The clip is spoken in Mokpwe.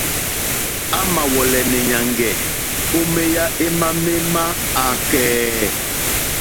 A mà wɔ̀lɛ̀nɛ̀ nyàŋgɛ̀ o meya ema me ma akɛ̀ɛ̀.